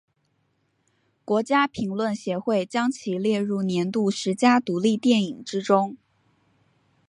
国家评论协会将其列入年度十佳独立电影之中。